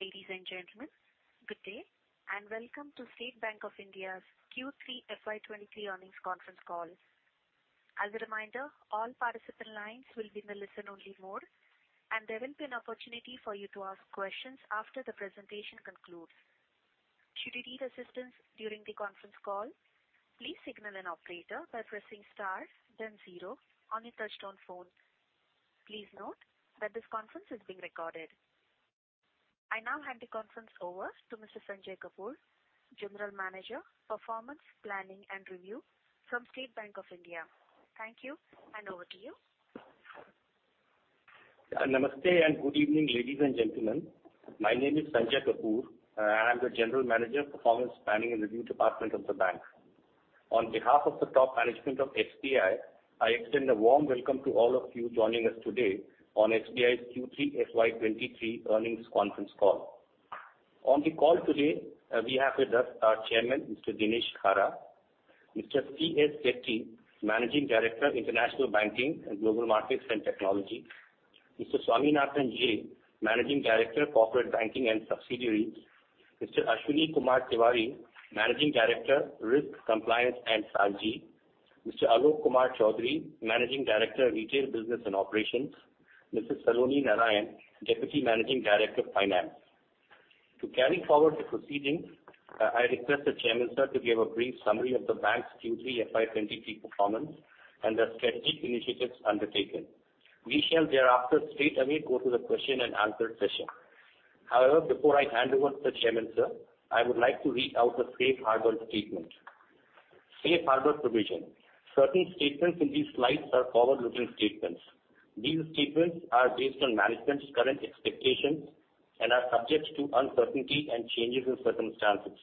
Ladies and gentlemen, good day, and welcome to State Bank of India's Q3 FY23 earnings conference call. As a reminder, all participant lines will be in a listen-only mode, and there will be an opportunity for you to ask questions after the presentation concludes. Should you need assistance during the conference call, please signal an operator by pressing star then zero on your touchtone phone. Please note that this conference is being recorded. I now hand the conference over to Mr. Sanjay Kapoor, General Manager, Performance, Planning and Review from State Bank of India. Thank you, and over to you. Namaste, and good evening, ladies and gentlemen. My name is Sanjay Kapoor. I am the General Manager, Performance, Planning and Review Department of the bank. On behalf of the top management of SBI, I extend a warm welcome to all of you joining us today on SBI's Q3 FY 2023 earnings conference call. On the call today, we have with us our Chairman, Mr. Dinesh Khara, Mr. C.S. Setty, Managing Director, International Banking and Global Markets and Technology, Mr. Swaminathan J, Managing Director, Corporate Banking and Subsidiaries, Mr. Ashwini Kumar Tewari, Managing Director, Risk, Compliance and SARG, Mr. Alok Kumar Choudhary, Managing Director, Retail Business and Operations, Mrs. Saloni Narayan, Deputy Managing Director, Finance. To carry forward the proceedings, I request the Chairman, sir, to give a brief summary of the bank's Q3 FY 2023 performance and the strategic initiatives undertaken. We shall thereafter straightaway go to the question and answer session. However, before I hand over to the Chairman, sir, I would like to read out the safe harbor statement. Safe harbor provision. Certain statements in these slides are forward-looking statements. These statements are based on management's current expectations and are subject to uncertainty and changes in circumstances.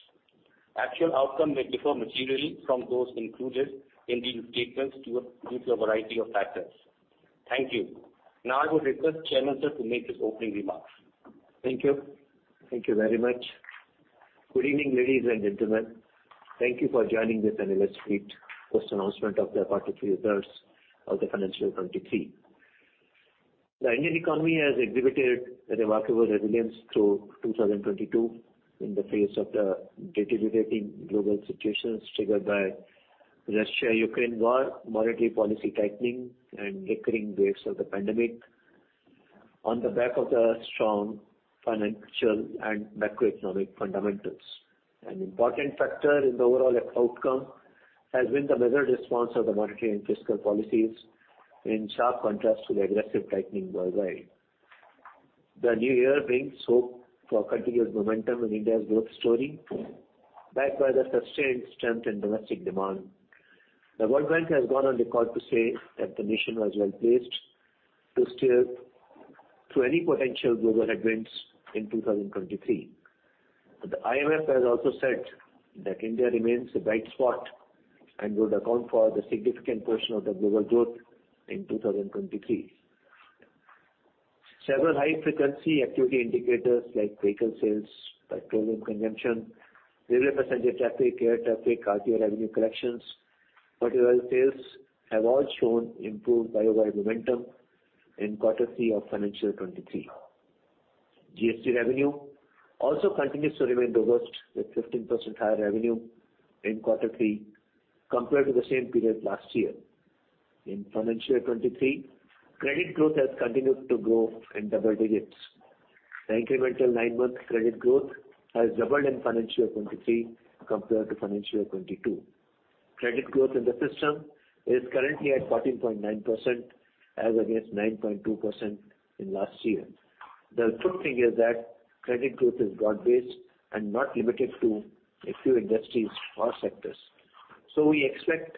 Actual outcome may differ materially from those included in these statements due to a variety of factors. Thank you. Now, I would request Chairman, sir, to make his opening remarks. Thank you. Thank you very much. Good evening, ladies and gentlemen. Thank you for joining this analyst meet, post announcement of the quarter three results of the financial 2023. The Indian economy has exhibited a remarkable resilience through 2022 in the face of the deteriorating global situations triggered by Russia-Ukraine war, monetary policy tightening and recurring waves of the pandemic on the back of the strong financial and macroeconomic fundamentals. An important factor in the overall outcome has been the measured response of the monetary and fiscal policies, in sharp contrast to the aggressive tightening worldwide. The new year brings hope for continuous momentum in India's growth story, backed by the sustained strength in domestic demand. The World Bank has gone on record to say that the nation was well-placed to steer through any potential global headwinds in 2023. The IMF has also said that India remains a bright spot and would account for the significant portion of the global growth in 2023. Several high-frequency activity indicators like vehicle sales, petroleum consumption, railway passenger traffic, air traffic, RTO revenue collections, fertilizer sales have all shown improved YoY momentum in quarter three of financial 2023. GST revenue also continues to remain robust, with 15% higher revenue in quarter three compared to the same period last year. In financial 2023, credit growth has continued to grow in double digits. The incremental nine-month credit growth has doubled in financial 2023 compared to financial 2022. Credit growth in the system is currently at 14.9% as against 9.2% in last year. The good thing is that credit growth is broad-based and not limited to a few industries or sectors. We expect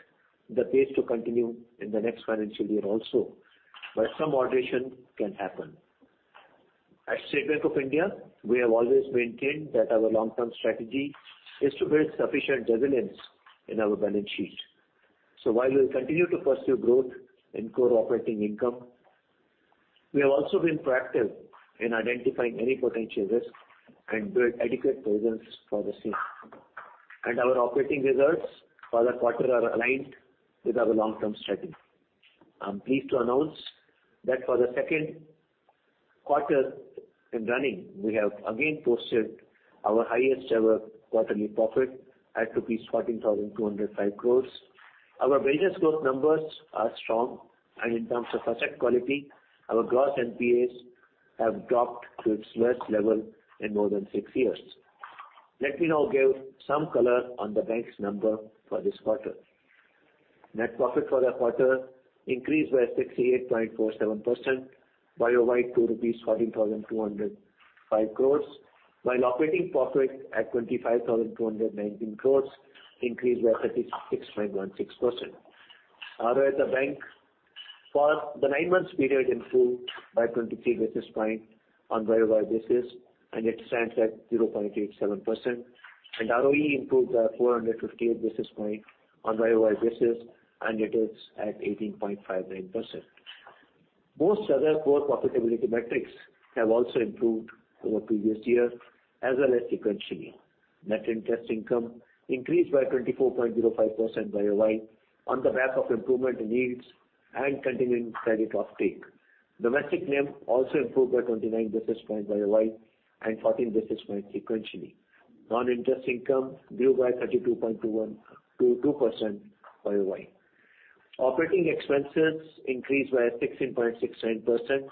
the pace to continue in the next financial year also, but some moderation can happen. At State Bank of India, we have always maintained that our long-term strategy is to build sufficient resilience in our balance sheet. While we'll continue to pursue growth in core operating income, we have also been proactive in identifying any potential risk and build adequate provisions for the same. Our operating results for the quarter are aligned with our long-term strategy. I'm pleased to announce that for the second quarter in running, we have again posted our highest ever quarterly profit at rupees 14,205 crore. Our business growth numbers are strong. In terms of asset quality, our gross NPAs have dropped to its lowest level in more than six years. Let me now give some color on the bank's number for this quarter. Net profit for the quarter increased by 68.47% YoY to 14,205 crores. While operating profit at 25,219 crores increased by 36.16%. ROA the bank for the nine months period improved by 23 basis points on YoY basis, and it stands at 0.87%. ROE improved by 458 basis points on YoY basis, and it is at 18.59%. Most other core profitability metrics have also improved over previous year as well as sequentially. Net interest income increased by 24.05% year-on-year on the back of improvement in yields and continuing credit offtake. Domestic NIM also improved by 29 basis points year-on-year and 14 basis points sequentially. Non-interest income grew by 32.22% year-on-year. Operating expenses increased by 16.69%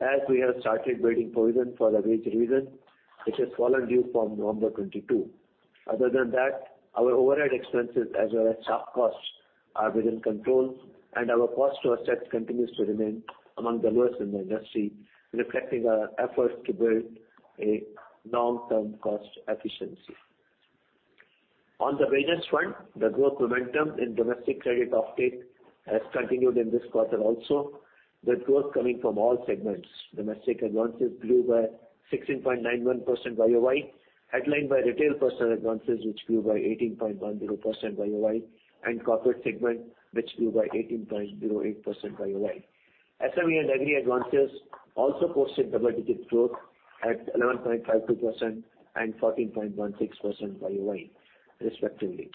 as we have started providing for the wage revision, which has fallen due from November 2022. Other than that, our overhead expenses as well as staff costs are within control. Our cost to assets continues to remain among the lowest in the industry, reflecting our efforts to build a long-term cost efficiency. On the business front, the growth momentum in domestic credit offtake has continued in this quarter also, with growth coming from all segments. Domestic advances grew by 16.91% year-on-year, headlined by retail personal advances, which grew by 18.10% year-on-year, and corporate segment which grew by 18.08% YoY. SME and agri advances also posted double-digit growth at 11.52% and 14.16% year-on-year respectively.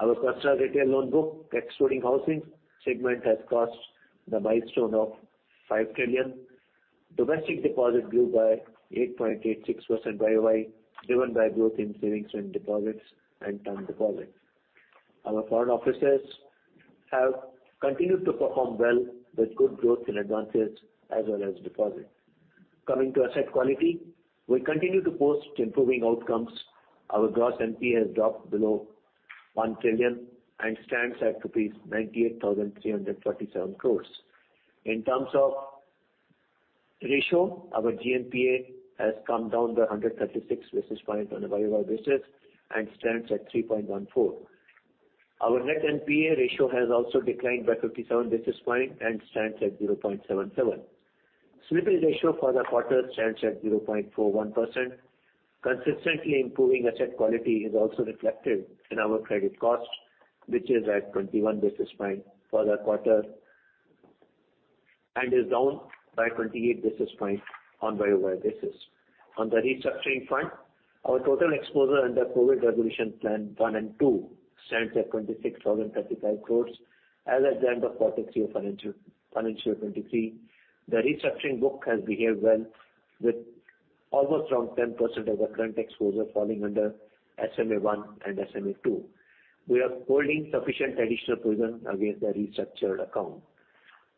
Our personal retail loan book, excluding housing segment, has crossed the milestone of 5 trillion. Domestic deposit grew by 8.86% YoY, driven by growth in savings and deposits and term deposits. Our foreign offices have continued to perform well with good growth in advances as well as deposits. Coming to asset quality, we continue to post improving outcomes. Our gross NPA has dropped below 1 trillion and stands at rupees 98,347 crores. In terms of ratio, our GNPA has come down by 136 basis point on a year-on-year basis and stands at 3.14. Our net NPA ratio has also declined by 57 basis point and stands at 0.77. Slippage ratio for the quarter stands at 0.41%. Consistently improving asset quality is also reflected in our credit cost, which is at 21 basis points for the quarter and is down by 28 basis points o YoY basis. On the restructuring front, our total exposure under COVID resolution plan one and two stands at 26,035 crores as at the end of Q3 of financial 2023. The restructuring book has behaved well with almost around 10% of the current exposure falling under SMA-1 and SMA-2. We are holding sufficient additional provision against the restructured account.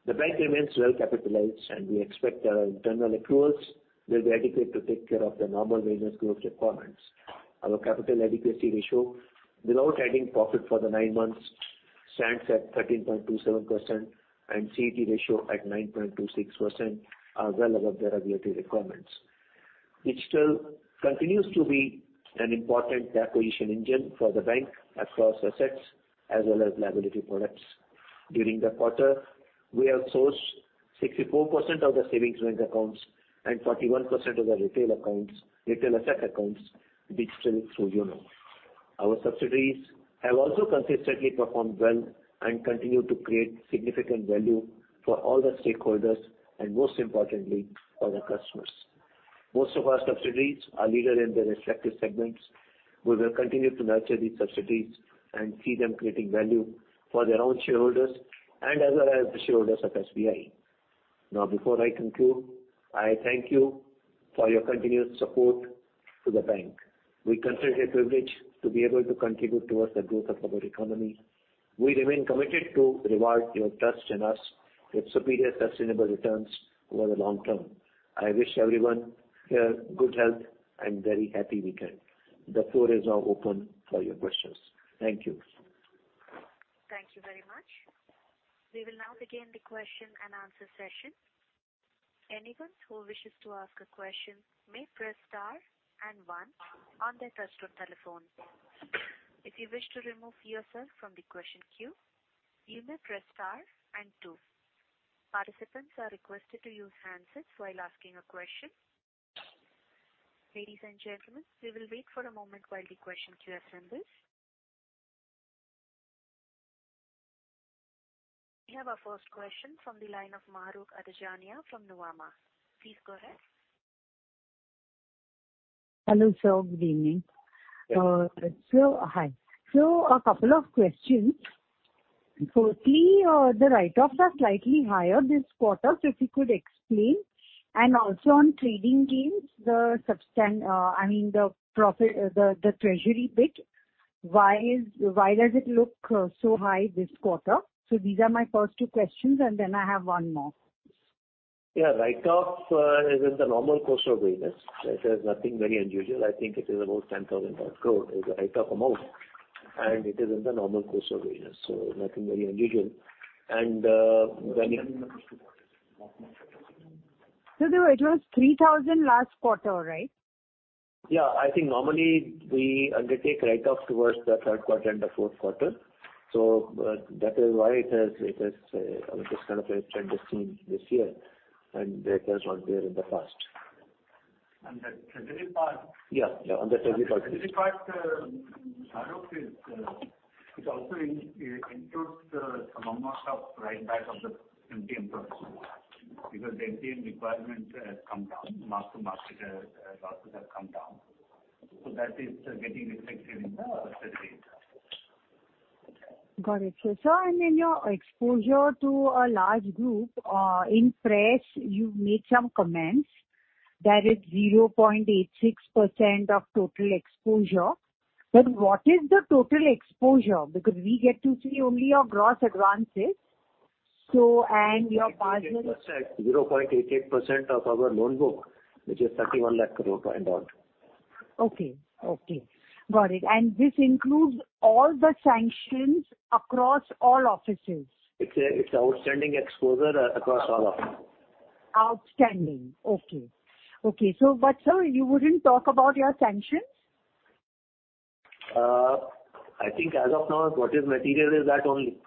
The bank remains well capitalized, and we expect our internal accruals will be adequate to take care of the normal business growth requirements. Our capital adequacy ratio, without adding profit for the nine months, stands at 13.27% and CET ratio at 9.26% are well above the regulatory requirements, which still continues to be an important acquisition engine for the bank across assets as well as liability products. During the quarter, we have sourced 64% of the savings bank accounts and 41% of the retail asset accounts digitally through YONO. Our subsidiaries have also consistently performed well and continue to create significant value for all the stakeholders and most importantly, for the customers. Most of our subsidiaries are leader in their respective segments. We will continue to nurture these subsidiaries and see them creating value for their own shareholders and as well as the shareholders of SBI. Before I conclude, I thank you for your continuous support to the bank. We consider it a privilege to be able to contribute towards the growth of our economy. We remain committed to reward your trust in us with superior sustainable returns over the long term. I wish everyone here good health and very happy weekend. The floor is now open for your questions. Thank you. Thank you very much. We will now begin the question and answer session. Anyone who wishes to ask a question may press star and one on their touch-tone telephone. If you wish to remove yourself from the question queue, you may press star and two. Participants are requested to use handsets while asking a question. Ladies and gentlemen, we will wait for a moment while the question queue assembles. We have our first question from the line of Mahrukh Adajania from Nuvama. Please go ahead. Hello, sir. Good evening. Yes. Hi. A couple of questions. Firstly, the write-offs are slightly higher this quarter, so if you could explain? Also on trading gains, the profit, the treasury bit, why does it look so high this quarter? These are my first two questions, and then I have one more. Yeah. Write-off, is in the normal course of business. There's nothing very unusual. I think it is about 10,000 crore is the write-off amount, and it is in the normal course of business, so nothing very unusual. Though it was 3,000 last quarter, right? Yeah. I think normally we undertake write-off towards the third quarter and the fourth quarter. That is why it has which is kind of a trend is seen this year and that was not there in the past. The treasury part. Yeah, yeah. The treasury part. The treasury part. I hope it it also includes the some amount of write back of the MTM portfolio because the MTM requirements has come down, mark to market losses have come down, so that is getting reflected in the the data. Got it. Sir, and in your exposure to a large group, in press you made some comments that it's 0.86% of total exposure. What is the total exposure? Because we get to see only your gross advances. And your- 0.88%. 0.88% of our loan book, which is 3,100 crore, point out. Okay. Okay. Got it. This includes all the sanctions across all offices? It's outstanding exposure across all offices. Outstanding. Okay. Okay. Sir, you wouldn't talk about your sanctions? I think as of now, what is material is that only.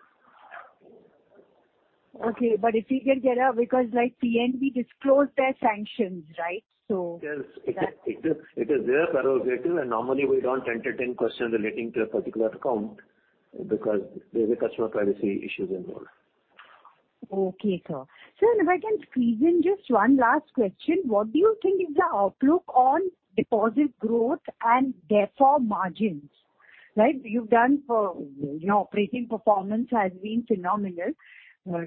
Okay. If we can get a... because like PNB disclosed their sanctions, right? Yes, it is their prerogative and normally we don't entertain questions relating to a particular account because there's a customer privacy issues involved. Okay, sir. Sir, if I can squeeze in just one last question. What do you think is the outlook on deposit growth and therefore margins, right? Operating performance has been phenomenal.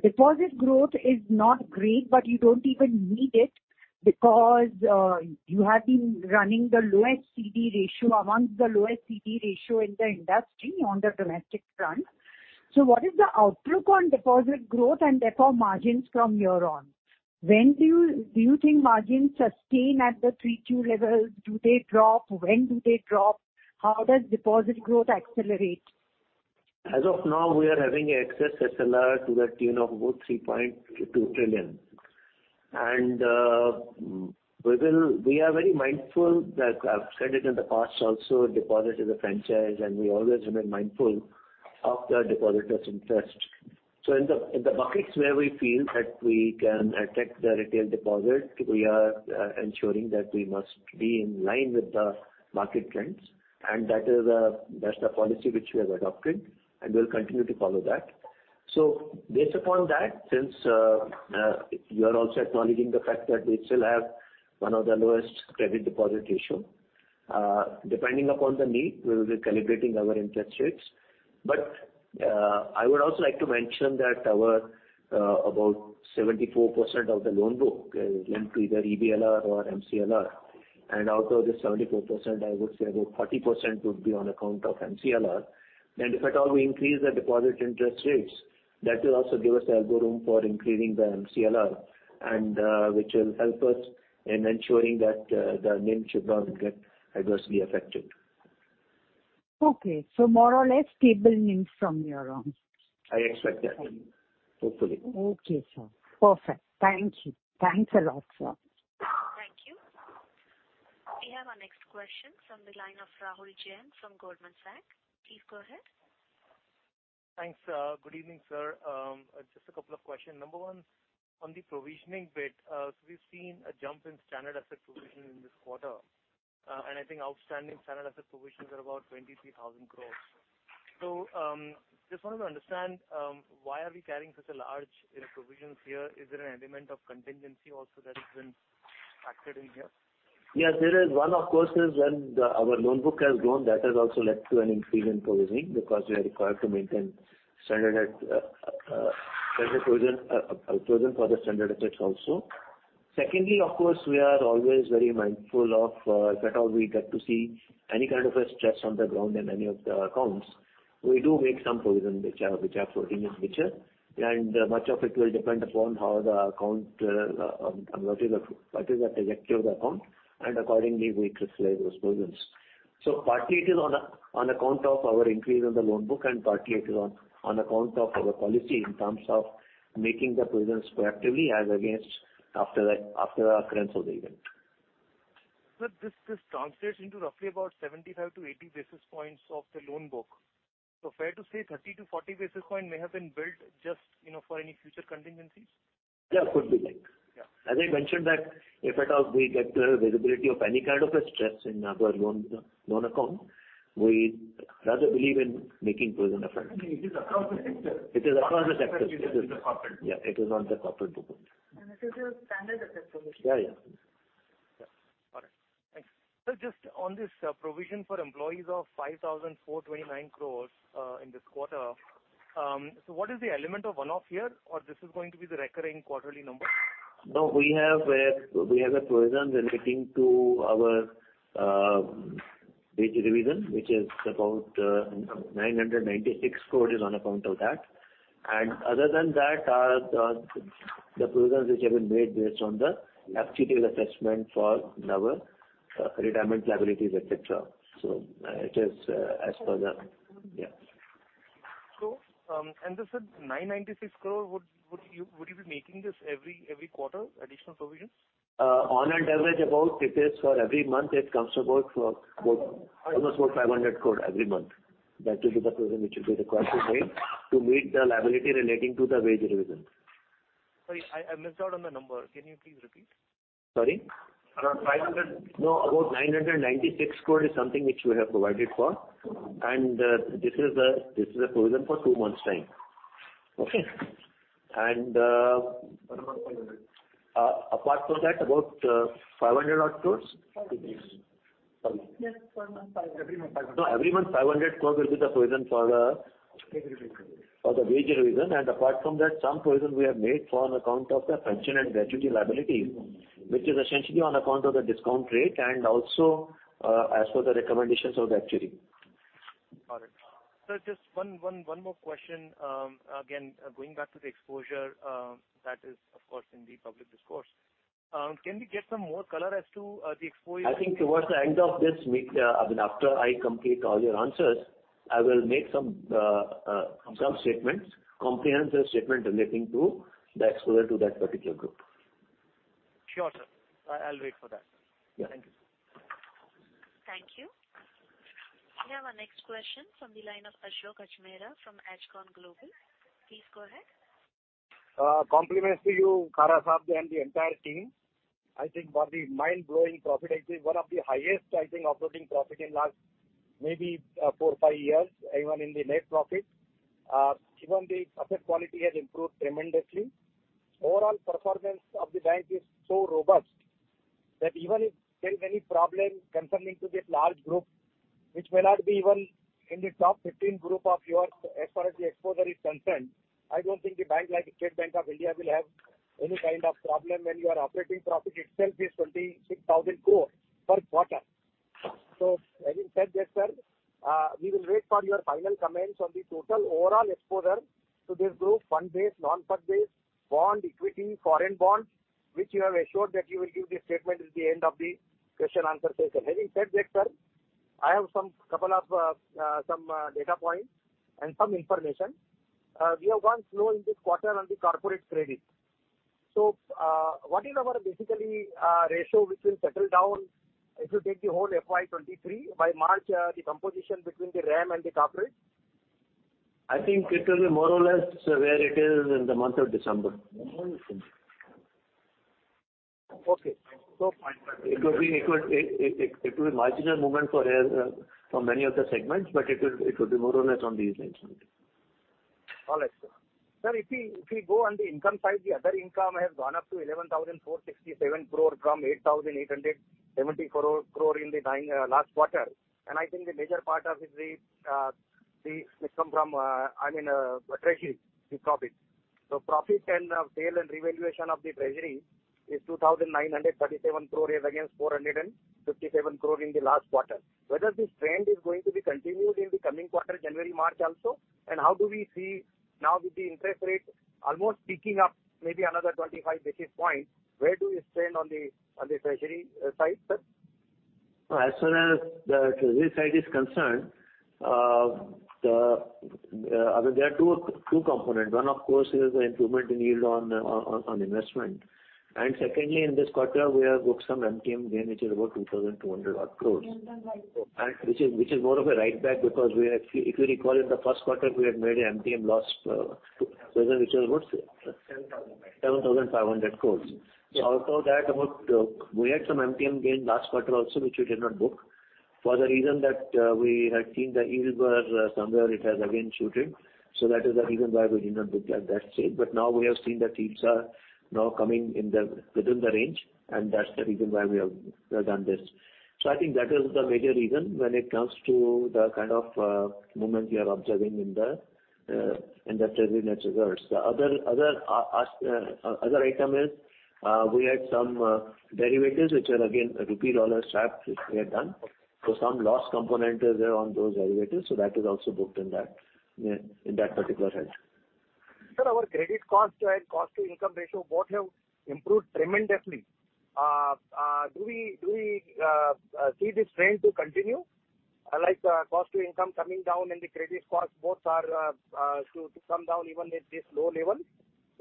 Deposit growth is not great, but you don't even need it because you have been running the lowest CD ratio amongst the lowest CD ratio in the industry on the domestic front. What is the outlook on deposit growth and therefore margins from here on? When do you think margins sustain at the 3.2% level? Do they drop? When do they drop? How does deposit growth accelerate? As of now, we are having excess SLR to the tune of about 3.2 trillion. We are very mindful that I've said it in the past also, deposit is a franchise and we always remain mindful of the depositors interest. In the, in the buckets where we feel that we can attract the retail deposit, we are ensuring that we must be in line with the market trends, and that is, that's the policy which we have adopted and we'll continue to follow that. Based upon that, since you are also acknowledging the fact that we still have one of the lowest credit-deposit ratio, depending upon the need, we will be calibrating our interest rates. I would also like to mention that our about 74% of the loan book is linked to either EBLR or MCLR. Out of the 74%, I would say about 40% would be on account of MCLR. If at all we increase the deposit interest rates, that will also give us the elbow room for increasing the MCLR and which will help us in ensuring that the NIM should not get adversely affected. Okay. More or less stable NIMs from here on. I expect that, hopefully. Okay, sir. Perfect. Thank you. Thanks a lot, sir. Thank you. We have our next question from the line of Rahul Jain from Goldman Sachs. Please go ahead. Thanks. Good evening, sir. Just a couple of questions. Number one, on the provisioning bit, we've seen a jump in standard asset provision in this quarter. I think outstanding standard asset provisions are about 23,000 crores. Just wanted to understand, why are we carrying such a large, you know, provisions here? Is there an element of contingency also that has been factored in here? Yes, there is. One of course, is when our loan book has grown, that has also led to an increase in provisioning because we are required to maintain standard provision for the standard assets also. Secondly, of course, we are always very mindful of, if at all we get to see any kind of a stress on the ground in any of the accounts, we do make some provision which are floating in nature, and much of it will depend upon how the account, what is the trajectory of the account and accordingly we crystallize those provisions. Partly it is on account of our increase in the loan book and partly it is on account of our policy in terms of making the provisions proactively as against after the occurrence of the event. Sir, this translates into roughly about 75-80 basis points of the loan book. Fair to say 30-40 basis point may have been built just, you know, for any future contingencies? Yeah, could be like. Yeah. As I mentioned that if at all we get the visibility of any kind of a stress in our loan account, we rather believe in making provision upfront. It is across the sector. It is across the sector. It is in the corporate. Yeah, it is on the corporate book. This is your standard asset provision. Yeah, yeah. Yeah. Got it. Thanks. Sir, just on this provision for employees of 5,429 crores in this quarter. What is the element of one-off here? Or this is going to be the recurring quarterly number? No, we have a provision relating to our wage revision, which is about 996 crore is on account of that. Other than that, the provisions which have been made based on the actuarial assessment for our retirement liabilities, et cetera. It is as per. Yeah. This is 996 crore, would you be making this every quarter, additional provision? On an average about it is for every month it comes to about almost 500 crore every month. That will be the provision which will be required to make to meet the liability relating to the wage revision. Sorry, I missed out on the number. Can you please repeat? Sorry? Around five hundred-. No, about 996 crore is something which we have provided for. This is a provision for two months' time. Okay? Around 500. Apart from that, about, 500 odd crores. Five. Pardon? Every month, 500. No, every month 500 crore will be the provision for the. Wage revision. for the wage revision. Apart from that, some provision we have made on account of the pension and gratuity liability, which is essentially on account of the discount rate and also, as per the recommendations of the actuary. Got it. Sir, just one more question. Going back to the exposure, that is of course in the public discourse. Can we get some more color as to the exposure? I think towards the end of this week, I mean, after I complete all your answers, I will make some statements, comprehensive statement relating to the exposure to that particular group. Sure, sir. I'll wait for that. Yeah. Thank you. Thank you. We have our next question from the line of Ashok Ajmera from Ajcon Global. Please go ahead. Compliments to you, Khara Saab, and the entire team. I think for the mind-blowing profit, actually one of the highest, I think, operating profit in last maybe four, five years, even in the net profit. Even the asset quality has improved tremendously. Overall performance of the bank is so robust that even if there's any problem concerning to this large group, which may not be even in the top 15 group of yours as far as the exposure is concerned, I don't think a bank like State Bank of India will have any kind of problem when your operating profit itself is 26,000 crore per quarter. Having said that, sir, we will wait for your final comments on the total overall exposure to this group, fund base, non-fund base, bond, equity, foreign bond, which you have assured that you will give the statement at the end of the question-answer session. Having said that, sir, I have some couple of data points and some information. We have gone slow in this quarter on the corporate credit. What is our basically ratio which will settle down if you take the whole FY 2023, by March, the composition between the RAM and the corporate? I think it will be more or less where it is in the month of December. Okay. No problem. It will be marginal movement for many other segments, but it will be more or less on these lines only. All right, sir. Sir, if we go on the income side, the other income has gone up to 11,467 crore from 8,870 crore in the nine last quarter. I think the major part of it is, it come from, I mean, treasury, the profit. Profit and sale and revaluation of the treasury is 2,937 crore as against 457 crore in the last quarter. Whether this trend is going to be continued in the coming quarter, January, March also? How do we see now with the interest rate almost picking up maybe another 25 basis points, where do we stand on the treasury side, sir? As soon as the treasury side is concerned, I mean, there are two component. One of course is the improvement in yield on investment. Secondly, in this quarter, we have booked some MTM gain, which is about 2,200 odd crores. Which is more of a write back because we have, if you recall in the first quarter, we had made a MTM loss. INR 7,005. 7,500 crores. After that about, we had some MTM gain last quarter also, which we did not book for the reason that, we had seen the yields were somewhere it has again shooted. That is the reason why we did not book at that stage. Now we have seen that yields are now coming in the, within the range, and that's the reason why we have done this. I think that is the major reason when it comes to the kind of, movement we are observing in the, in the treasury net results. The other item is, we had some derivatives which are again rupee-dollar swap which we had done. Some loss component is there on those derivatives, so that is also booked in that, in that particular head. Sir, our credit cost and cost to income ratio both have improved tremendously. Do we see this trend to continue? Like cost to income coming down and the credit cost both are to come down even at this low level?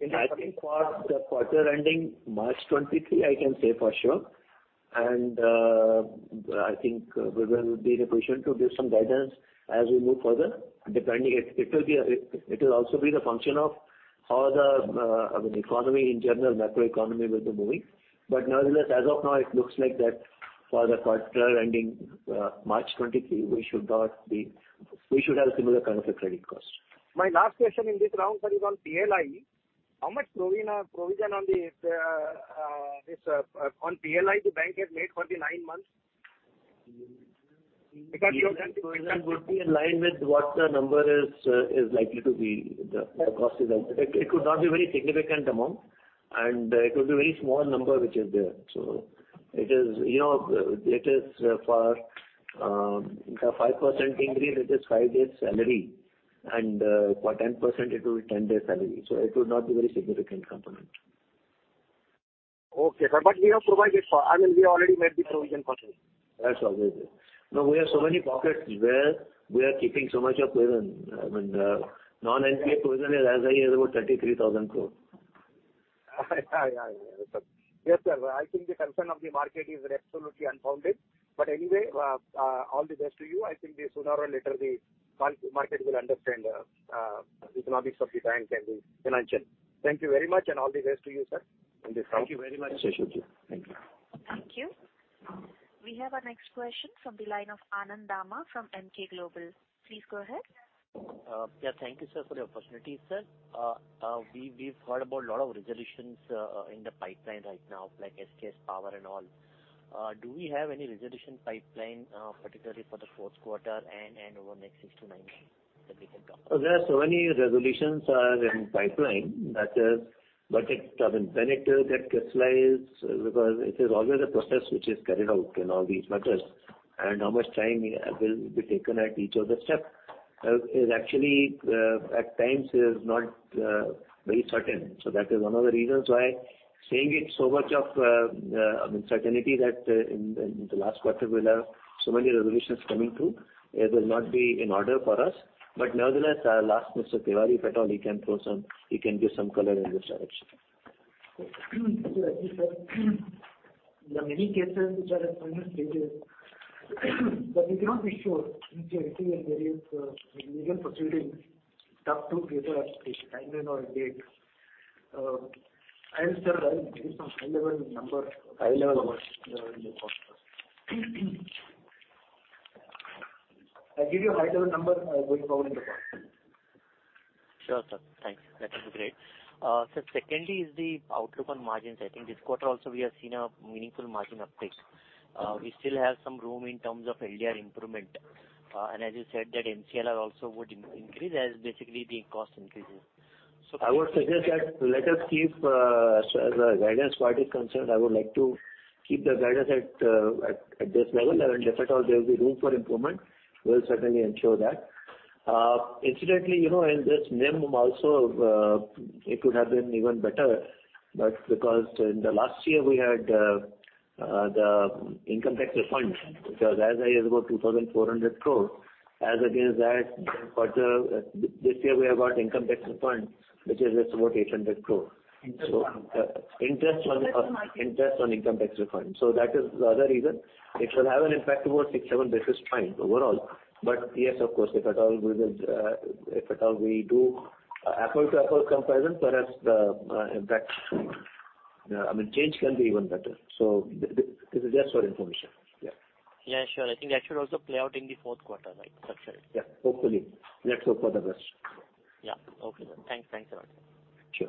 I think for the quarter ending March 2023, I can say for sure. I think we will be in a position to give some guidance as we move further, depending it will be a, it will also be the function of how the, I mean, economy in general, macro economy will be moving. Nonetheless, as of now it looks like that for the quarter ending March 2023, we should have similar kind of a credit cost. My last question in this round, sir, is on PLI. How much provision on the, this, on PLI the bank has made for the nine months? Provision would be in line with what the number is likely to be. The cost is anticipated. It could not be very significant amount, and it will be very small number which is there. It is, you know, it is for 5% increment, it is five days salary, and for 10% it will be 10 days salary. It would not be very significant component. Okay, sir. We have provided for, I mean, we have already made the provision for it. That's always there. No, we have so many pockets where we are keeping so much of provision. I mean, non-NPA provision as I hear is about INR 33,000 crore. Yes, sir. I think the concern of the market is absolutely unfounded. Anyway, all the best to you. I think the sooner or later the market will understand economics of the bank and the financial. Thank you very much, and all the best to you, sir. Thank you very much, Ashok. Thank you. Thank you. We have our next question from the line of Anand Dama from Emkay Global. Please go ahead. Yeah, thank you, sir, for the opportunity, sir. We've heard about a lot of resolutions in the pipeline right now, like SKS Power and all. Do we have any resolution pipeline particularly for the fourth quarter and over next six to nine months that we can talk? There are so many resolutions are in pipeline that is, but it doesn't benefit that crystallize because it is always a process which is carried out in all these matters. How much time will be taken at each of the step is actually at times is not very certain. That is one of the reasons why saying it so much of, I mean, certainty that in the last quarter we'll have so many resolutions coming through. It will not be in order for us. Nevertheless, last Mr. Tewari, if at all, he can give some color in this direction. Thank you, sir. There are many cases which are at final stages, but we cannot be sure since everything and various legal proceedings have to create a timeline or a date. I will, sir, I will give you some high-level. High-level. I'll give you a high-level number, going forward in the call. Sure, sir. Thanks. That will be great. sir, secondly is the outlook on margins. I think this quarter also we have seen a meaningful margin uptake. We still have some room in terms of LDR improvement. As you said that MCLR also would increase as basically the cost increases. I would suggest that let us keep, as a guidance part is concerned, I would like to keep the guidance at, at this level. If at all there will be room for improvement, we'll certainly ensure that. Incidentally, you know, in this NIM also, it could have been even better, but because in the last year we had, the income tax refund, which was as high as about 2,400 crores. As against that quarter, this year we have got income tax refund, which is just about 800 crores. Interest Interest Interest on income tax refund. That is the other reason. It will have an impact about 6, 7 basis points overall. Yes, of course, if at all we will, if at all we do apple-to-apple comparison, perhaps the impact, I mean, change can be even better. This is just for information. Yeah. Yeah, sure. I think that should also play out in the fourth quarter, right? That's right. Yeah. Hopefully. Let's hope for the best. Yeah. Okay, sir. Thanks a lot. Sure.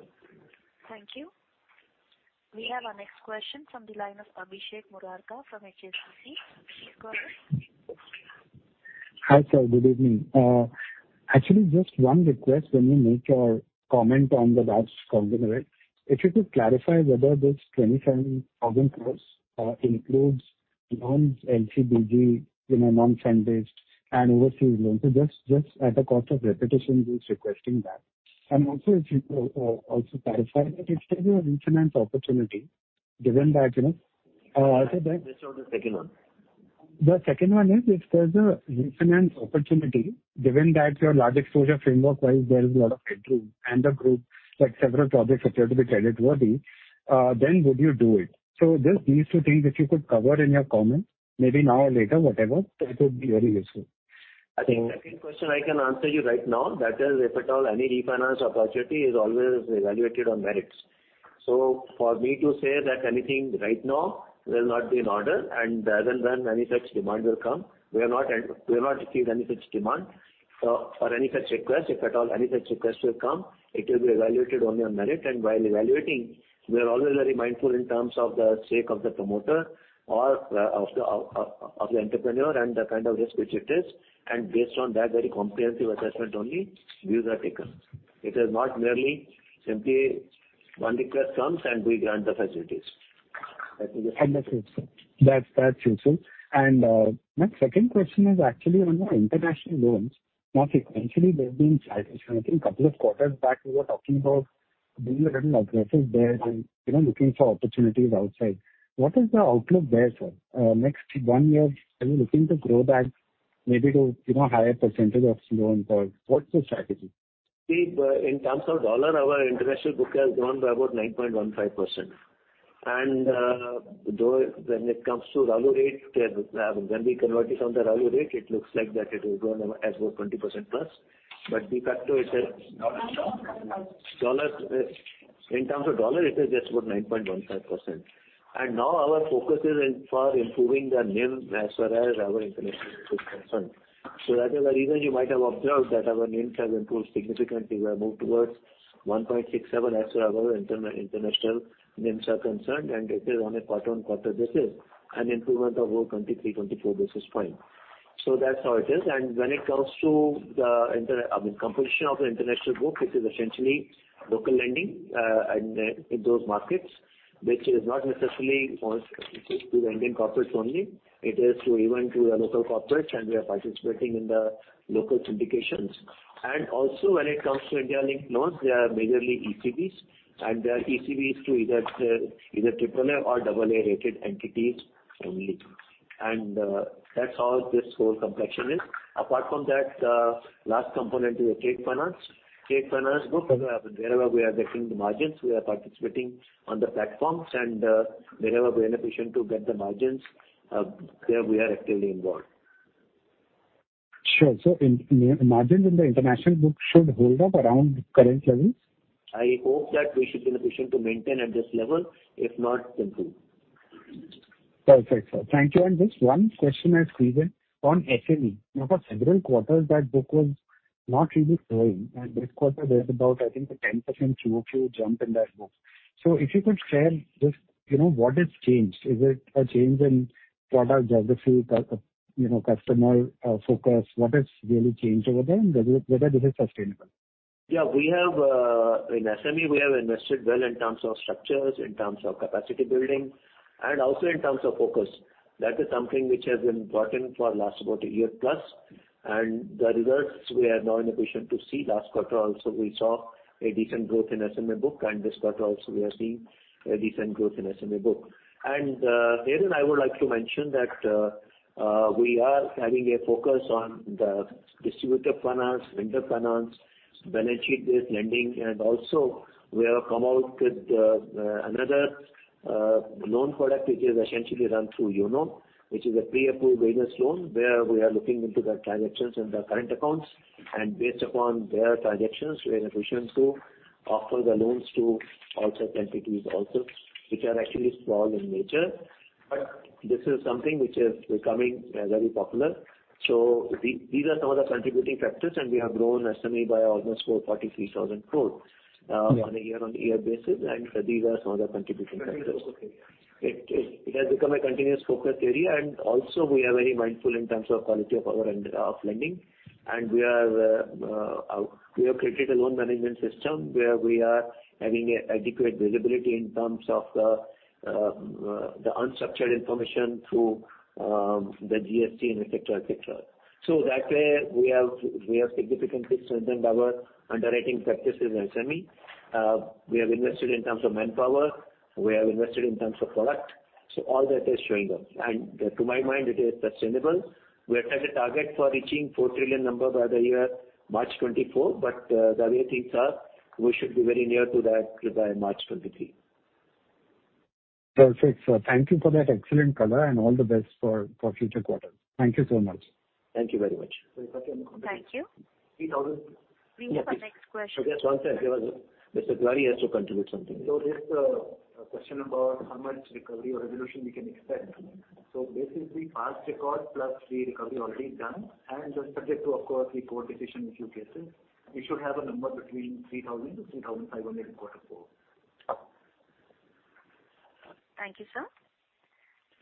Thank you. We have our next question from the line of Abhishek Murarka from HSBC. Please go ahead. Hi, sir. Good evening. Actually, just one request when you make your comment on the large corporate. If you could clarify whether this 27,000 crores includes non-LC/BG, you know, non-fund-based and overseas loans. Just at the cost of repetition, just requesting that. Also clarify that if there's a refinance opportunity given that, you know... Just on the second one. The second one is if there's a refinance opportunity, given that your Large Exposure Framework wise there is a lot of headroom and the group like several projects appear to be creditworthy, then would you do it? Just these two things if you could cover in your comment maybe now or later, whatever, it would be very useful. I think second question I can answer you right now. That is if at all any refinance opportunity is always evaluated on merits. For me to say that anything right now will not be in order and as and when any such demand will come, we have not received any such demand or any such request. If at all any such request will come, it will be evaluated only on merit. While evaluating, we are always very mindful in terms of the sake of the promoter or of the entrepreneur and the kind of risk which it is. Based on that very comprehensive assessment only views are taken. It is not merely simply one request comes and we grant the facilities. Understood, sir. That's useful. My second question is actually on your international loans. Now, sequentially they've been rising. I think couple of quarters back you were talking about being a little aggressive there and, you know, looking for opportunities outside. What is the outlook there, sir? Next one year are you looking to grow that maybe to, you know, higher percentage of loans or what's the strategy? See, in terms of dollar our international book has grown by about 9.15%. Though when it comes to Rupee rate, when we convert it on the Rupee rate, it looks like that it will grow now as about 20% plus. De facto it is- Dollar plus. Dollar, in terms of dollar it is just about 9.15%. Now our focus is in for improving the NIM as far as our international book is concerned. That is the reason you might have observed that our NIMs have improved significantly. We have moved towards 1.67% as our international NIMs are concerned and it is on a quarter-on-quarter basis an improvement of over 23, 24 basis points. That's how it is. When it comes to the I mean, composition of the international book, it is essentially local lending, and, in those markets which is not necessarily for, to the Indian corporates only. It is to even to our local corporates and we are participating in the local syndications. Also when it comes to India linked loans, they are majorly ECBs and they are ECBs to either triple A or double A rated entities only. That's how this whole complexion is. Apart from that, last component is a trade finance. Trade finance book, wherever we are getting the margins, we are participating on the platforms and wherever we are in a position to get the margins, there we are actively involved. Sure. In margins in the international book should hold up around current levels? I hope that we should be in a position to maintain at this level, if not improve. Perfect, sir. Thank you. Just one question I have for you on SME. For several quarters that book was not really growing, and this quarter there's about, I think, a 10% QoQ jump in that book. If you could share just, you know, what has changed. Is it a change in product geography, you know, customer focus? What has really changed over there, and whether this is sustainable? Yeah, we have In SME we have invested well in terms of structures, in terms of capacity building, and also in terms of focus. That is something which has been important for last about a year plus. The results we are now in a position to see. Last quarter also we saw a decent growth in SME book and this quarter also we are seeing a decent growth in SME book. Here I would like to mention that we are having a focus on the distributor finance, vendor finance, beneficiary-based lending. Also we have come out with, another loan product which is essentially run through YONO, which is a Pre-approved Business Loan where we are looking into the transactions and the current accounts, and based upon their transactions we are in a position to offer the loans to all such entities also, which are actually small in nature. This is something which is becoming very popular. These are some of the contributing factors, and we have grown SME by almost 43,000 crore, on a year-on-year basis, and these are some of the contributing factors. Okay. It has become a continuous focus area. Also we are very mindful in terms of quality of our of lending. We have created a loan management system where we are having adequate visibility in terms of the unstructured information through the GCC and et cetera, et cetera. That way we have significantly strengthened our underwriting practices in SME. We have invested in terms of manpower, we have invested in terms of product. All that is showing up. To my mind it is sustainable. We have set a target for reaching 4 trillion number by the year March 2024, the way things are, we should be very near to that by March 2023. Perfect. Thank you for that excellent color and all the best for future quarters. Thank you so much. Thank you very much. It's okay. Thank you. Three thousand- We have our next question. Just one second. Mr. Choudhary has to contribute something. Just a question about how much recovery or resolution we can expect. Basically past record plus the recovery already done and just subject to of course the court decision in few cases, we should have a number between 3,000 to 3,500 quarter four. Thank you, sir.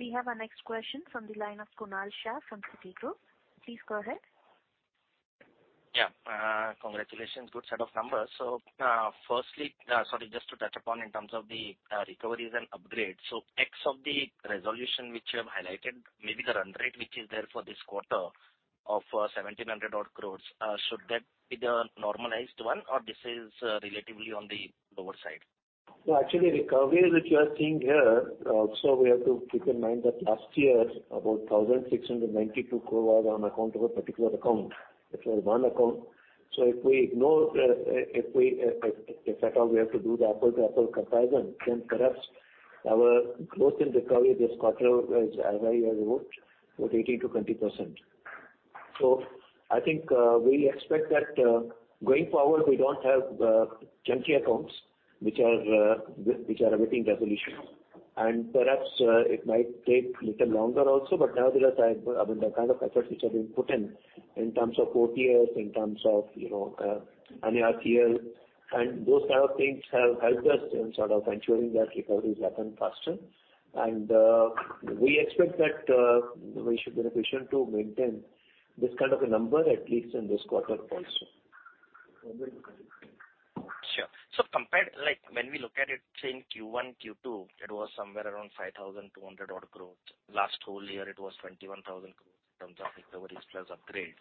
We have our next question from the line of Kunal Shah from Citigroup. Please go ahead. Yeah. Congratulations. Good set of numbers. Firstly, sorry, just to touch upon in terms of the recoveries and upgrades. So X of the resolution which you have highlighted, maybe the run rate which is there for this quarter of 1,700 odd crores, should that be the normalized one or this is relatively on the lower side? Actually recovery which you are seeing here, we have to keep in mind that last year about 1,692 crore on account of a particular account. It was one account. If we ignore the, if we, if at all we have to do the apple to apple comparison, then perhaps our growth in recovery this quarter is as high as about 80%-20%. I think, we expect that, going forward we don't have, chunky accounts which are awaiting resolution. Perhaps, it might take little longer also. Nevertheless, I mean, the kind of efforts which have been put in in terms of OTS, in terms of, you know, [NCLT] and those kind of things have helped us in sort of ensuring that recoveries happen faster. We expect that, we should be in a position to maintain this kind of a number at least in this quarter also. Sure. Compared, like, when we look at it, say in Q1, Q2, it was somewhere around 5,200 odd crores. Last whole year it was 21,000 crores in terms of recoveries plus upgrades,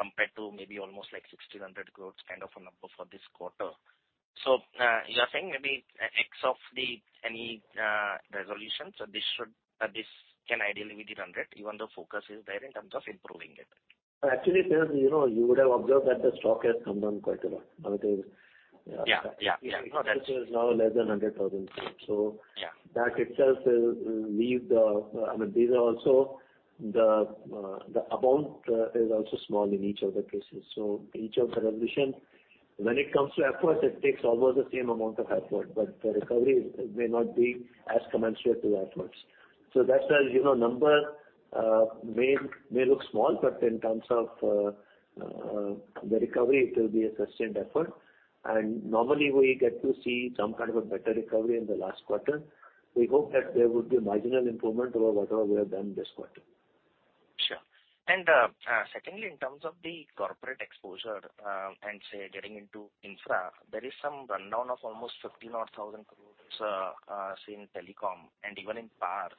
compared to maybe almost like 1,600 crores kind of a number for this quarter. You are saying maybe x of the any resolution, this should, this can ideally be the run rate even though focus is there in terms of improving it. Actually, because, you know, you would have observed that the stock has come down quite a lot. I mean... Yeah, yeah. is now less than 100,000 crores. Yeah. That itself will leave. I mean, these are also the amount is also small in each of the cases. Each of the resolution when it comes to efforts, it takes almost the same amount of effort, but the recovery may not be as commensurate to the efforts. That's why, you know, number may look small, but in terms of the recovery it will be a sustained effort. Normally we get to see some kind of a better recovery in the last quarter. We hope that there would be a marginal improvement over whatever we have done this quarter. Sure. Secondly, in terms of the corporate exposure, and say getting into infra, there is some rundown of almost 15 odd thousand crores, say in telecom and even in power.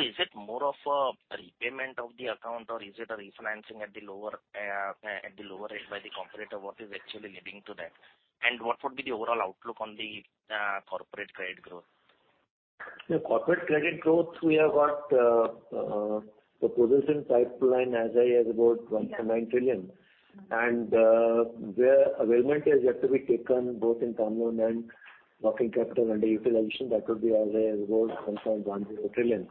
Is it more of a repayment of the account or is it a refinancing at the lower, at the lower rate by the corporate or what is actually leading to that? What would be the overall outlook on the corporate credit growth? The corporate credit growth we have got proposals in pipeline as high as about 1.9 trillion. Where availment is yet to be taken both in term loan and working capital underutilization that could be as a whole 1.10 trillion.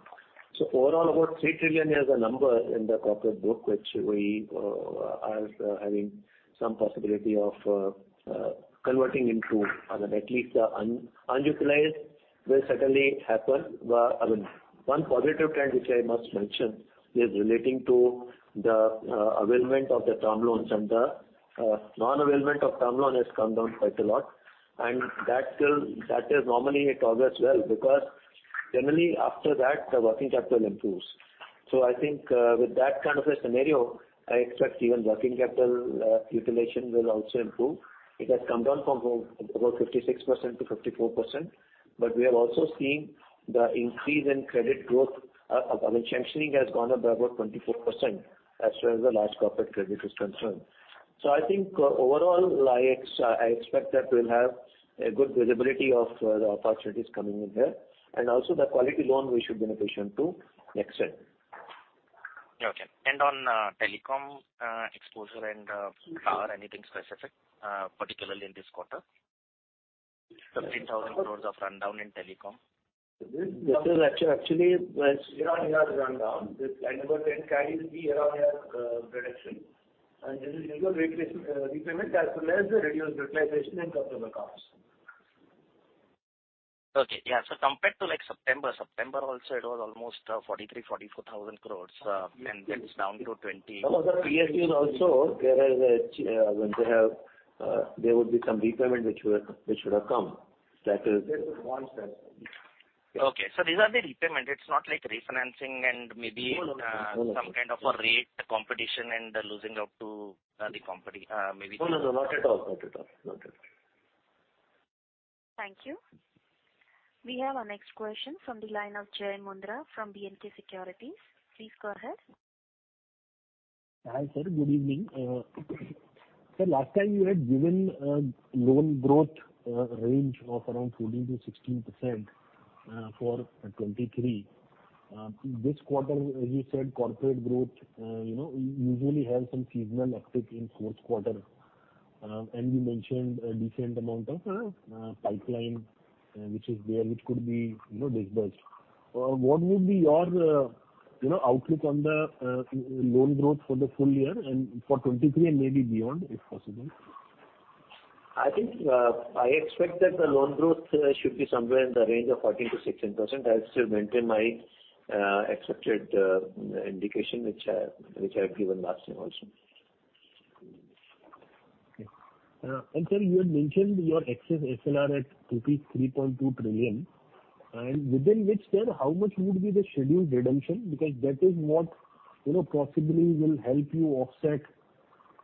Overall about 3 trillion is a number in the corporate book which we are having some possibility of converting into, I mean at least unutilized will certainly happen. I mean, one positive trend which I must mention is relating to the availment of the term loans and the non-availment of term loan has come down quite a lot. That is normally it augurs well because generally after that the working capital improves. I think with that kind of a scenario, I expect even working capital utilization will also improve. It has come down from over 56% to 54%. We have also seen the increase in credit growth, I mean sanctioning has gone up by about 24% as far as the large corporate credit is concerned. I think overall I expect that we'll have a good visibility of the opportunities coming in here and also the quality loan we should be in a position to exit. Okay. On telecom exposure and are anything specific particularly in this quarter? 15,000 crores of rundown in telecom. This is actually year on year rundown. This number then carries the year on year reduction and this is due to repayment as well as the reduced utilization and customer costs. Okay. Yeah. Compared to like September also it was almost 43,000-44,000 crores, and that is down to 20 crores. Some of the PSUs also there is a when they have there would be some repayment which were, which would have come that is. Okay. These are the repayment. It's not like refinancing and maybe- No, no. some kind of a rate competition and losing out to the company, maybe. No, no, not at all. Not at all. Not at all. Thank you. We have our next question from the line of Jai Mundhra from B&K Securities. Please go ahead. Hi, sir. Good evening. Last time you had given loan growth range of around 14%-16% for 2023. This quarter you said corporate growth, you know, usually have some seasonal effect in fourth quarter. You mentioned a decent amount of pipeline which is there which could be, you know, disbursed. What would be your, you know, outlook on the loan growth for the full year and for 2023 and maybe beyond if possible? I think, I expect that the loan growth should be somewhere in the range of 14%-16%. I'll still maintain my expected indication which I have given last time also. Okay. Sir you had mentioned your excess SLR at rupees 3.2 trillion and within which then how much would be the scheduled redemption because that is what, you know, possibly will help you offset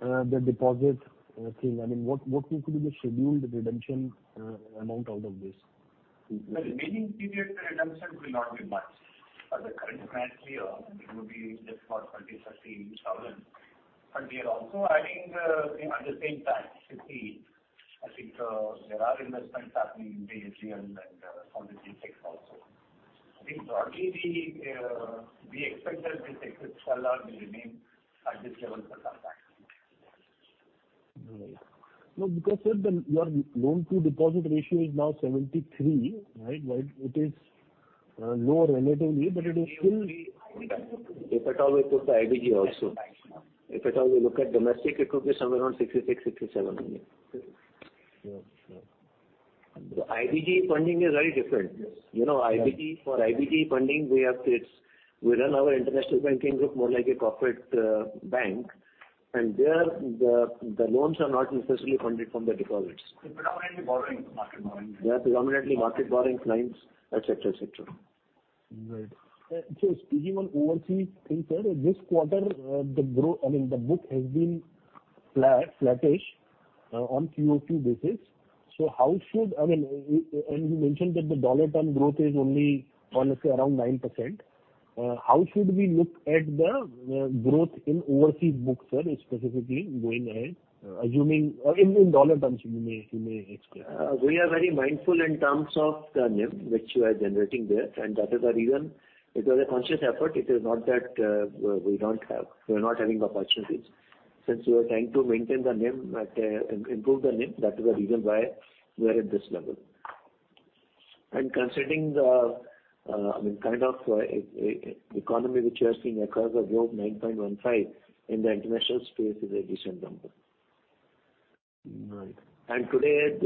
the deposit thing. What could be the scheduled redemption amount out of this? The remaining period redemption will not be much for the current financial year. It would be just about 20,000-30,000. We are also adding at the same time 50. I think there are investments happening in HTM and some of the effects also. I think broadly we expect that this excess SLR will remain at this level for some time. Right. No because, sir, your loan to deposit ratio is now 73, right? While it is lower relatively but it is still- If at all it puts the IBG also. If at all you look at domestic it could be somewhere around 66%, 67% only. Sure. Sure. The IBG funding is very different. Yes. You know IBG, for IBG funding we have to we run our international banking group more like a corporate bank and there the loans are not necessarily funded from the deposits. They are predominantly borrowing, market borrowing. They are predominantly market borrowing clients, et cetera, et cetera. Speaking on overseas thing, sir, this quarter, I mean the book has been flat, flattish on QoQ basis. How should I mean, and you mentioned that the dollar term growth is only honestly around 9%. How should we look at the growth in overseas books, sir, specifically going ahead, assuming or in dollar terms you may explain? We are very mindful in terms of the NIM which we are generating there and that is the reason it was a conscious effort. It is not that we don't have, we're not having the opportunities. Since we are trying to maintain the NIM at a improve the NIM that is the reason why we are at this level. Considering the, I mean, kind of economy which you have seen across the globe 9.15% in the international space is a decent number. Right. Today,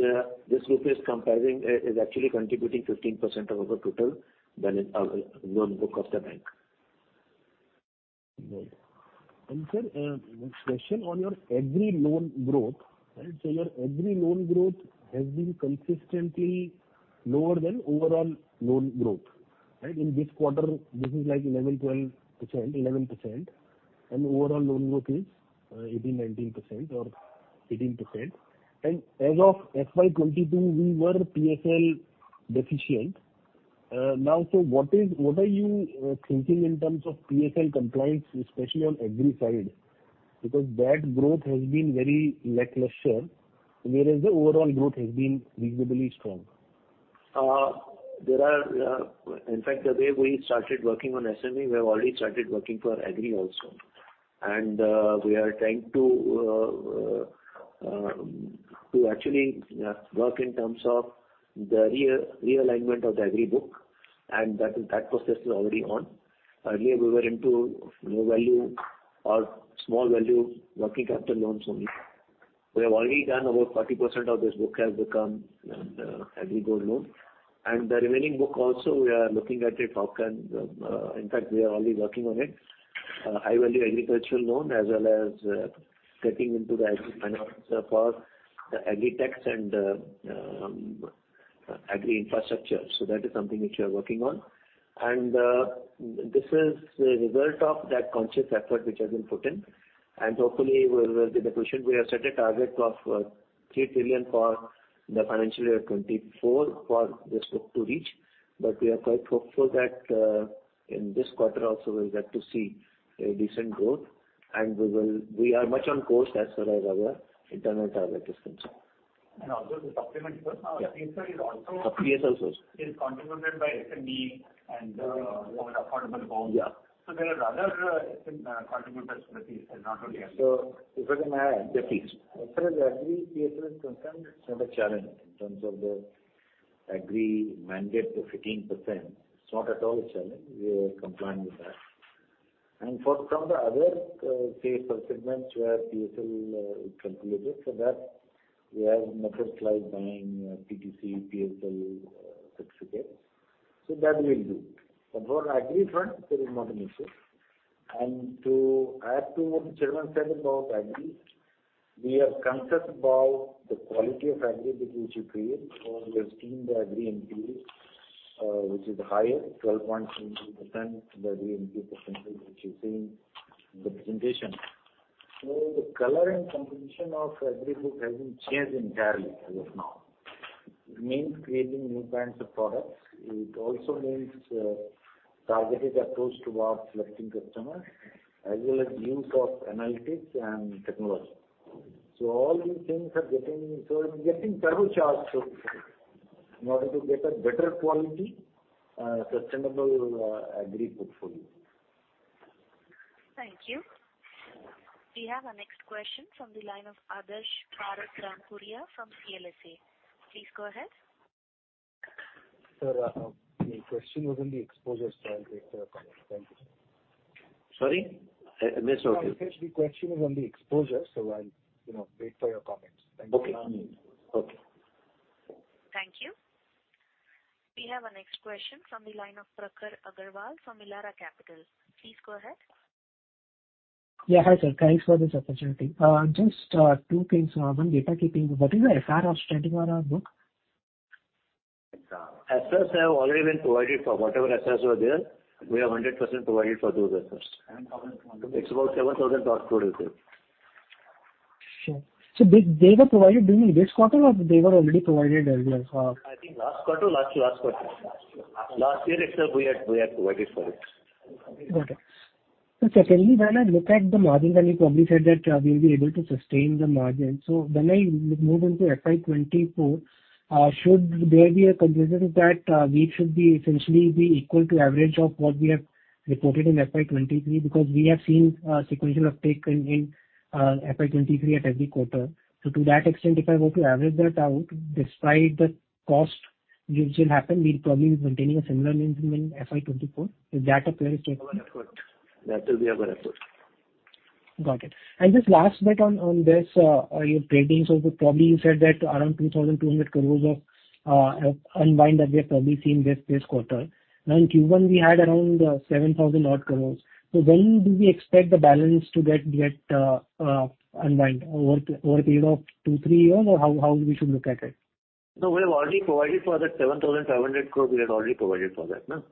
this group is comprising, is actually contributing 15% of our total than in our loan book of the bank. Question on your agri loan growth. Your agri loan growth has been consistently lower than overall loan growth. In this quarter this is like 11%, 12%, 11% and overall loan growth is 18%-19% or 18%. As of FY 2022 we were PSL deficient. What is, what are you thinking in terms of PSL compliance especially on agri side because that growth has been very lackluster whereas the overall growth has been reasonably strong? There are, in fact, the way we started working on SME, we have already started working for agri also. we are trying to actually, work in terms of the re-realignment of the agri book, and that process is already on. Earlier, we were into low value or small value working capital loans only. We have already done about 40% of this book has become an agri gold loan. the remaining book also we are looking at it how can... in fact, we are already working on it. high-value agricultural loan as well as, getting into the agri finance for the AgriTech and, agri infrastructure. that is something which we are working on. this is a result of that conscious effort which has been put in. Hopefully, we will be in a position. We have set a target of 3 trillion for the financial year 2024 for this book to reach. We are quite hopeful that in this quarter also we'll get to see a decent growth, and We are much on course as far as our internal target is concerned. Also the document first. Yeah. Now, the piece is also. The PSL source. Is contributed by SME and all affordable homes. Yeah. There are other, contributors to the piece and not only SME. If I can add, Setty. As far as agri PSL is concerned, it's not a challenge in terms of the agri mandate of 15%. It's not at all a challenge. We are complying with that. For some of the other, say, segments where PSL is calculated, that we have methods like buying PTC, PSL certificates. That we will do. For agri front, there is not an issue. To add to what Chairman said about agri, we are conscious about the quality of agri book which we create. We have seen the agri NPL, which is higher, 12.2%, the agri NPL percentage which you see in the presentation. The color and composition of agri book has been changed entirely as of now. It means creating new kinds of products. It also means, targeted approach towards selecting customers, as well as use of analytics and technology. It's getting turbocharged in order to get a better quality, sustainable, agri portfolio. Thank you. We have our next question from the line of Adarsh Parasrampuria from CLSA. Please go ahead. Sir, my question was on the exposure, so I'll wait for your comment. Thank you, sir. Sorry? Where's your- The question is on the exposure, so I'll, you know, wait for your comments. Thank you. Okay. Thank you. We have our next question from the line of Prakhar Agarwal from Elara Capital. Please go ahead. Yeah. Hi, sir. Thanks for this opportunity. just, two things. One, data keeping. What is the FR of standing on our book? FRs have already been provided for. Whatever FRs were there, we have 100% provided for those FRs. How much- It's about 7,000 crore rupees. Sure. They were provided during this quarter or they were already provided earlier for? I think last quarter or last quarter. Last year itself we had provided for it. Got it. Secondly, when I look at the margins, and you probably said that, we'll be able to sustain the margin. When I move into FY 2024, should there be a conclusion that, we should be essentially be equal to average of what we have reported in FY 2023? We have seen, sequential uptake in FY 2023 at every quarter. To that extent, if I were to average that out, despite the cost which will happen, we'll probably be maintaining a similar margin in FY 2024. Is that a fair statement? Our effort. That will be our effort. Got it. Just last bit on this, your trading. Probably you said that around 2,200 crore of unwind that we have probably seen this quarter. Now in Q1, we had around 7,000 odd crore. When do we expect the balance to get unwind? Over a period of two to three years or how we should look at it? No, we have already provided for that 7,700 crore. We have already provided for that,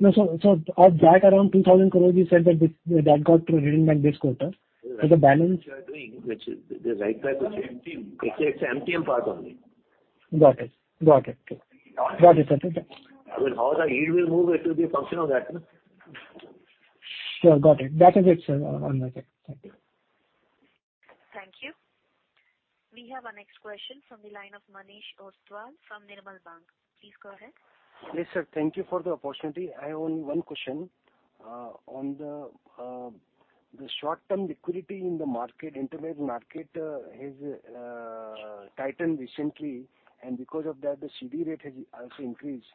no? No. Of that around 2,000 crores you said that got hidden by this quarter. Which we are doing, which is the right type of MTM. It's a MTM part only. Got it. Got it. Got it. Okay. I mean, how the yield will move, it will be a function of that, no? Sure. Got it. That is it, sir, on my end. Thank you. Thank you. We have our next question from the line of Manish Ostwal from Nirmal Bang. Please go ahead. Yes, sir. Thank you for the opportunity. I have only one question. On the short-term liquidity in the market, intermediate market, has tightened recently, and because of that, the CD rate has also increased.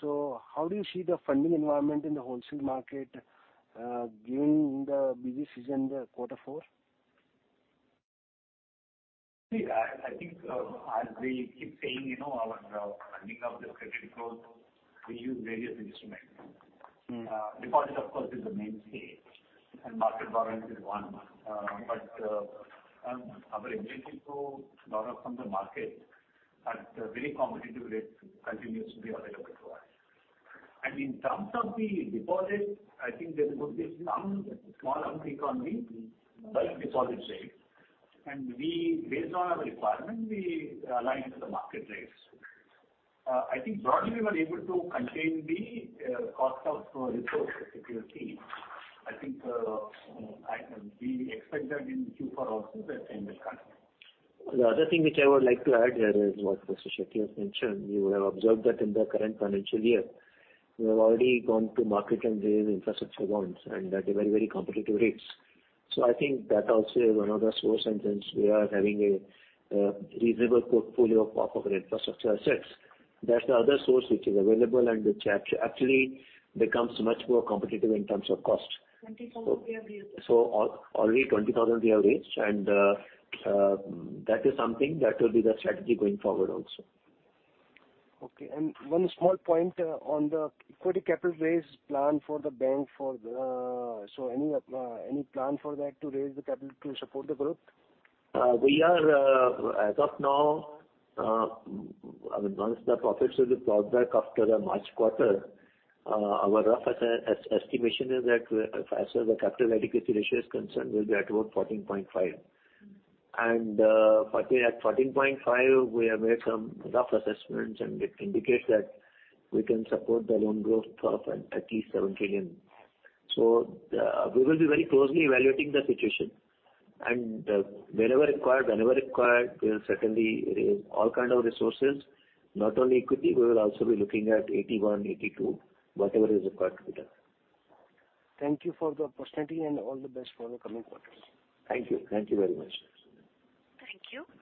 How do you see the funding environment in the wholesale market during the busy season, the quarter four? See, I think, as we keep saying, you know, our funding of the credit growth, we use various instruments. Mm-hmm. Deposit, of course, is the mainstay. Market borrowings is one. But our ability to borrow from the market at a very competitive rate continues to be available to us. In terms of the deposit, I think there could be some small lumps economy bulk deposit rates. We, based on our requirement, we align to the market rates. I think broadly we were able to contain the cost of resource particularly, you know, I can be expected in Q4 also that same will come. The other thing which I would like to add here is what Mr. Setty has mentioned. You would have observed that in the current financial year, we have already gone to market and raised infrastructure bonds, and at a very, very competitive rates. I think that also is another source, and since we are having a reasonable portfolio of infrastructure assets, that's the other source which is available, and which actually becomes much more competitive in terms of cost. 20,000 we have raised. Already 20,000 we have raised and that is something that will be the strategy going forward also. Okay. One small point on the equity capital raise plan for the bank. Any plan for that to raise the capital to support the group? We are, I mean, once the profits will be brought back after the March quarter, our rough estimation is that as far as the capital adequacy ratio is concerned, we'll be at about 14.5%. But at 14.5%, we have made some rough assessments, and it indicates that we can support the loan growth of at least 7 trillion. We will be very closely evaluating the situation. Wherever required, whenever required, we'll certainly raise all kind of resources, not only equity, we will also be looking at AT1, AT2, whatever is required to be done. Thank you for the opportunity and all the best for the coming quarters. Thank you. Thank you very much. Thank you.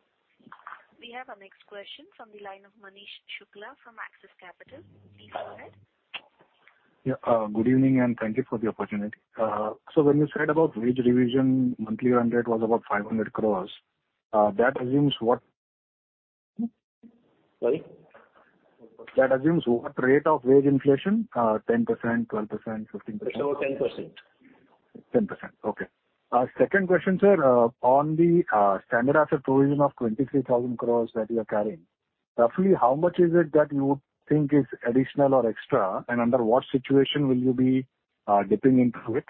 We have our next question from the line of Manish Shukla from Axis Capital. Please go ahead. Yeah. Good evening, and thank you for the opportunity. When you said about wage revision, monthly run rate was about 500 crores. That assumes what? Sorry? That assumes what rate of wage inflation? 10%, 12%, 15%? It's over 10%. 10%. Okay. Second question, sir. On the standard asset provision of 23,000 crores that you are carrying, roughly how much is it that you would think is additional or extra? Under what situation will you be dipping into it?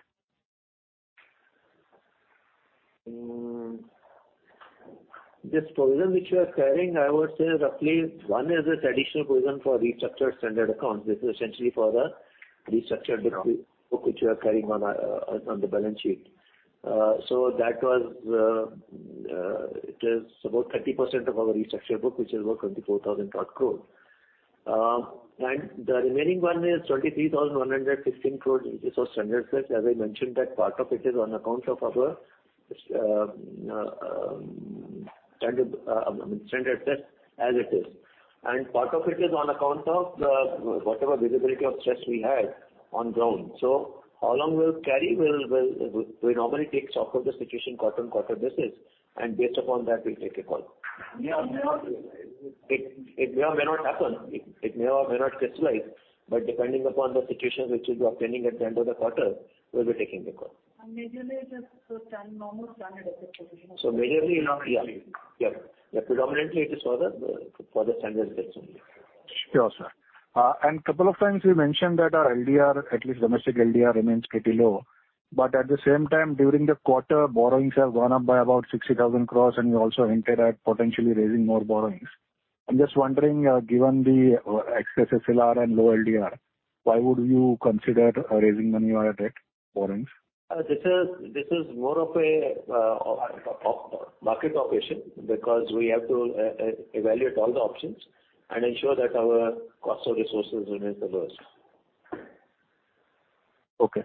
This provision which we are carrying, I would say roughly one is a traditional provision for restructured standard accounts. This is essentially for the restructured book, which we are carrying on our on the balance sheet. So that was it is about 30% of our restructured book, which is about 24,000 odd crore. The remaining one is 23,116 crores, which is for standard risk. As I mentioned, that part of it is on accounts of our standard standard test as it is. Part of it is on account of the whatever visibility of stress we had on ground. How long we'll carry. We normally take stock of the situation quarter-on-quarter basis, and based upon that we'll take a call. May or may not. It may or may not happen. It may or may not crystallize. Depending upon the situation which will be obtaining at the end of the quarter, we'll be taking a call. Majorly just normal standard. Majorly normal. Yeah. Predominantly it is for the standard risk only. Sure, sir. Couple of times you mentioned that our LDR, at least domestic LDR remains pretty low. At the same time, during the quarter, borrowings have gone up by about 60,000 crores. You also hinted at potentially raising more borrowings. I'm just wondering, given the excess SLR and low LDR, why would you consider raising money or a debt borrowings? This is more of a market operation because we have to evaluate all the options and ensure that our cost of resources remains the lowest. Okay.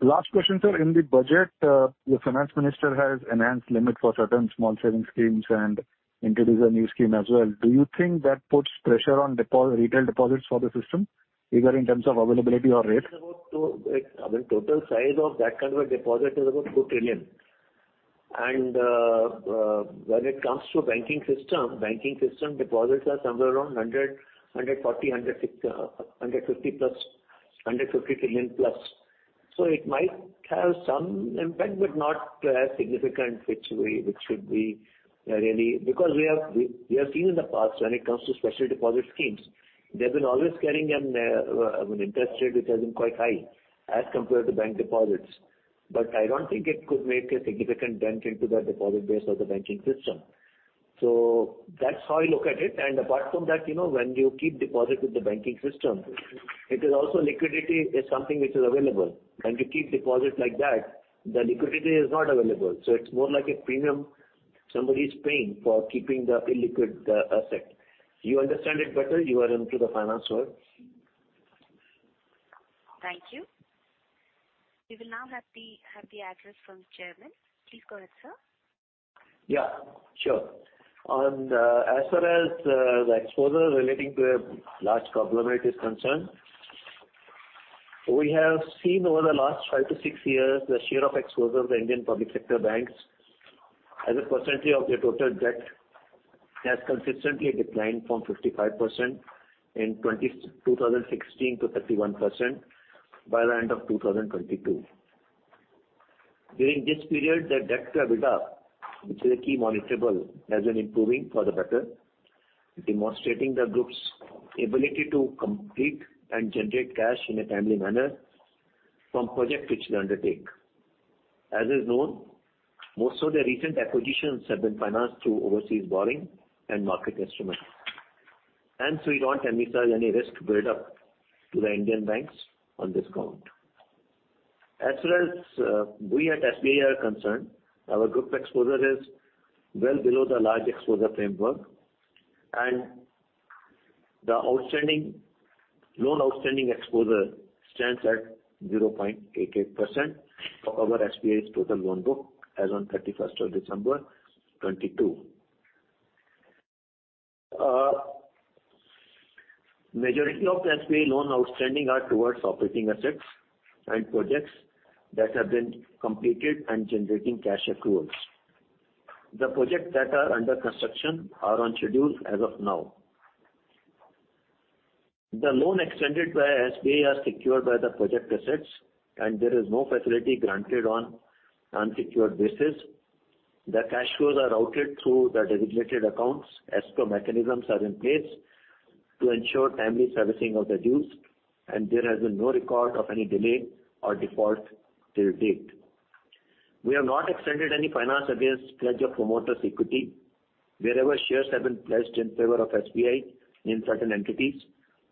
Last question, sir. In the budget, the finance minister has enhanced limit for certain small savings schemes and introduced a new scheme as well. Do you think that puts pressure on retail deposits for the system, either in terms of availability or rates? I mean, total size of that kind of a deposit is about 2 trillion. When it comes to banking system, banking system deposits are somewhere around 150 trillion plus. It might have some impact, but not as significant which should be really... Because we have seen in the past when it comes to special deposit schemes, they've been always carrying an, I mean, interest rate which has been quite high as compared to bank deposits. I don't think it could make a significant dent into the deposit base of the banking system. That's how I look at it. Apart from that, you know, when you keep deposit with the banking system, it is also liquidity is something which is available. When you keep deposit like that, the liquidity is not available. It's more like a premium somebody is paying for keeping the illiquid asset. You understand it better. You are into the finance world. Thank you. We will now have the address from the Chairman. Please go ahead, sir. Yeah, sure. As far as the exposure relating to a large conglomerate is concerned, we have seen over the last five to six years the share of exposure of the Indian public sector banks as a percentage of their total debt has consistently declined from 55% in 2016 to 31% by the end of 2022. During this period, the debt to EBITDA, which is a key monitorable, has been improving for the better, demonstrating the group's ability to complete and generate cash in a timely manner from project which they undertake. We don't envisage any risk build-up to the Indian banks on this count. As far as, we at SBI are concerned, our group exposure is well below the Large Exposure Framework, and the loan outstanding exposure stands at 0.88% of our SBI's total loan book as on 31st of December 2022. Majority of SBI loan outstanding are towards operating assets and projects that have been completed and generating cash accruals. The projects that are under construction are on schedule as of now. The loan extended by SBI are secured by the project assets and there is no facility granted on unsecured basis. The cash flows are routed through the designated accounts. Escrow mechanisms are in place to ensure timely servicing of the dues and there has been no record of any delay or default till date. We have not extended any finance against pledge of promoters' equity. Wherever shares have been pledged in favor of SBI in certain entities,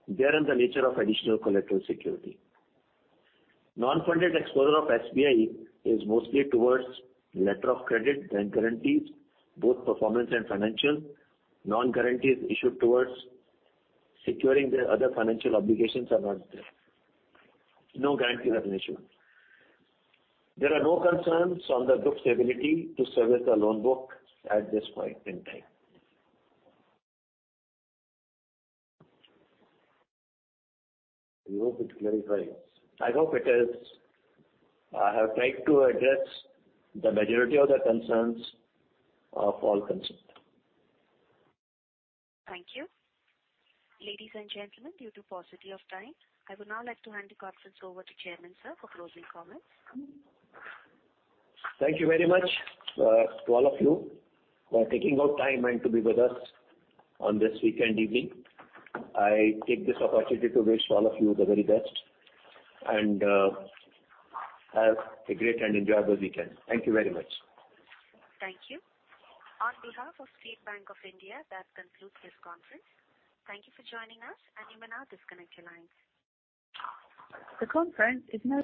they are in the nature of additional collateral security. Non-funded exposure of SBI is mostly towards letter of credit and guarantees, both performance and financial. Non-guarantees issued towards securing their other financial obligations are not there. No guarantees have been issued. There are no concerns on the group's ability to service the loan book at this point in time. We hope it clarifies. I hope it is. I have tried to address the majority of the concerns of all concerned. Thank you. Ladies and gentlemen, due to paucity of time, I would now like to hand the conference over to Chairman, sir, for closing comments. Thank you very much to all of you for taking out time and to be with us on this weekend evening. I take this opportunity to wish all of you the very best and have a great and enjoyable weekend. Thank you very much. Thank you. On behalf of State Bank of India, that concludes this conference. Thank you for joining us, and you may now disconnect your lines. The conference is now-